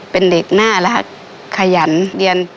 เป็นเด็กน่ารักขยันเรียน